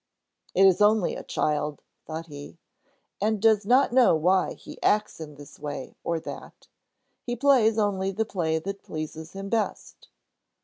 "It is only a child," thought he, "and does not know why he acts in this way or that way. He plays only the play that pleases him best.